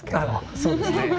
そうですね。